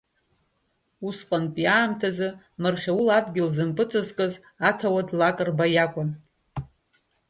Усҟантәи аамҭазы Мархьаул адгьыл зымпыҵакыз аҭауад Лакрба иакәын.